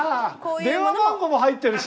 電話番号も入ってるし。